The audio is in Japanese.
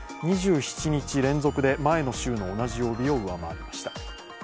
２７日連続で前の週の同じ曜日を上回りました。